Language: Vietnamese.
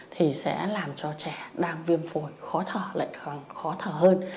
thì sẽ làm cho trẻ đang viêm phổi khó thở lại càng khó thở hơn